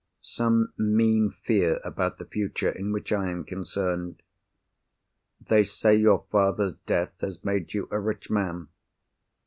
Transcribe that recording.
Some mean fear about the future, in which I am concerned? They say your father's death has made you a rich man.